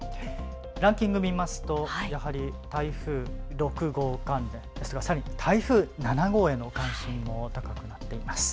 ランキング見ますとやはり台風６号関連ですがさらに台風７号への関心も高くなっています。